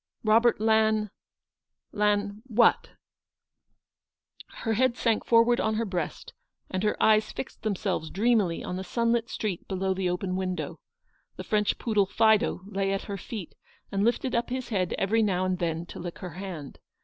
Robert Lan — Lan — what ?" Her head sank forward on her breast, and her eyes fixed themselves dreamily on the sunlit street below the open window. The French poodle, Fido, lay at her feet, and lifted up his head every now and then to lick her hand.